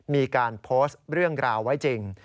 มีการโพสต์เรื่องราวไว้จริง